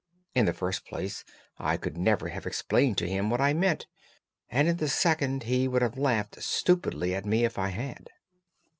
In the first place, I could never have explained to him what I meant, and in the second, he would have laughed stupidly at me if I had.